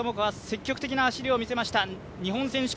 木村友香が積極的な走りを見せました。